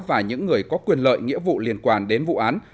và những người có quyền lợi nghĩa vụ liên quan đến vụ án